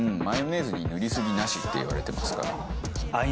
「マヨネーズに塗りすぎなし」って言われてますから。